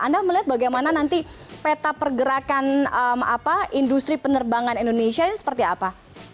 anda melihat bagaimana nanti peta pergerakan industri penerbangan indonesia ini seperti apa